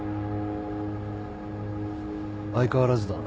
相変わらずだな。